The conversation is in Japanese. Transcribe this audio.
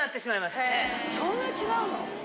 そんな違うの？